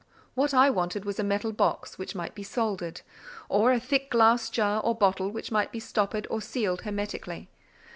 What I wanted was a metal box which might be soldered, or a thick glass jar or bottle which might be stoppered or sealed hermetically.